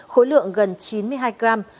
khối lượng gần chín mươi hai gram